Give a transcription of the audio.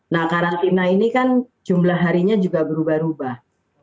nah karantina ini kan jumlah harinya juga berubah ubah